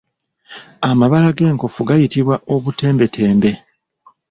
Amabala g’enkofu gayitibwa obutembetembe.